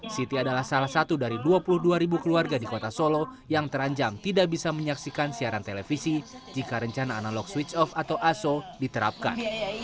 siti adalah salah satu dari dua puluh dua ribu keluarga di kota solo yang terancam tidak bisa menyaksikan siaran televisi jika rencana analog switch off atau aso diterapkan